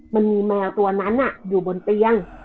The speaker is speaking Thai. มันมีแมวตัวนั้นอะอยู่บนเตียง